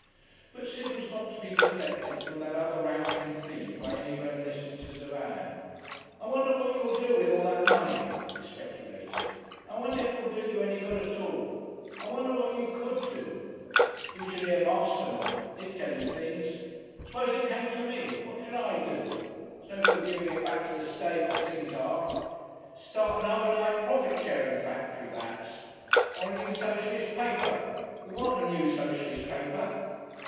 But Sid was not to be deflected from that other rankling theme by any reminiscences of Ann. "I wonder what you will do with all that money," he speculated. "I wonder if you will do any good at all. I wonder what you could do. You should hear Masterman. He'd tell you things. Suppose it came to me, what should I do? It's no good giving it back to the state as things are. Start an Owenite profit sharing factory perhaps. Or a new Socialist paper. We want a new Socialist paper."